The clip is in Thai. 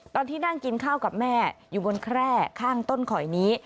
ตอนที่นั่งกินข้าวกับแม่อยู่บนแคร่ข้างต้นข่อยนี้